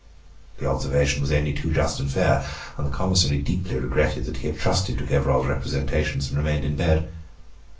The observation was only too just and fair; and the commissary deeply regretted that he had trusted to Gevrol's representations, and remained in bed.